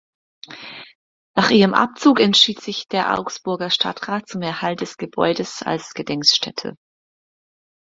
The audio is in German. Nach ihrem Abzug entschied sich der Augsburger Stadtrat zum Erhalt des Gebäudes als Gedenkstätte.